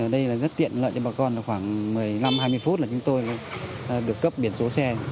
đây là rất tiện lợi cho bà con khoảng một mươi năm hai mươi phút là chúng tôi được cấp biển số xe